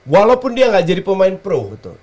walaupun dia gak jadi pemain pro